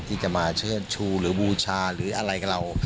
ที่จะมาเชิดชูหรือบูชาหรืออะไรกับเรา